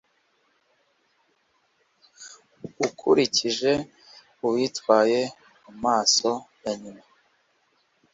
Ukurikije uwitwaye mumaso ya nyina